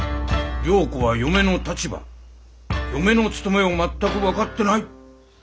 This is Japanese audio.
良子は嫁の立場嫁の務めを全く分かってない。